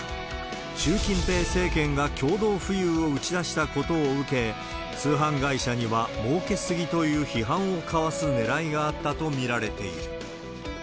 習近平政権が共同富裕を打ち出したことを受け、通販会社には、もうけ過ぎという批判をかわすねらいがあったと見られている。